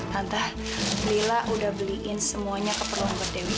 hantah lila udah beliin semuanya keperluan buat dewi